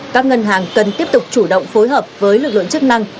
các ngân hàng cần tiếp tục chủ động phối hợp với lực lượng chức năng